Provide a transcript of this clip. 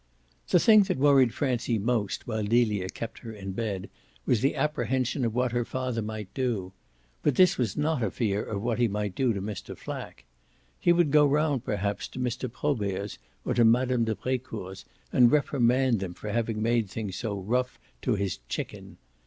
The thing that worried Francie most while Delia kept her in bed was the apprehension of what her father might do; but this was not a fear of what he might do to Mr. Flack. He would go round perhaps to Mr. Probert's or to Mme. de Brecourt's and reprimand them for having made things so rough to his "chicken."